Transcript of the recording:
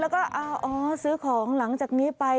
แล้วก็อ๋อซื้อของหลังจากนี้ไป